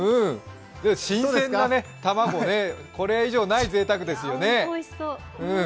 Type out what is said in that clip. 新鮮な卵ね、これ以上ないぜいたくですよね。